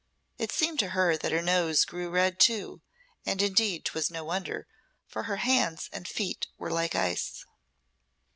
It seemed to her that her nose grew red too, and indeed 'twas no wonder, for her hands and feet were like ice.